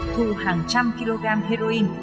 thu hàng trăm kg heroin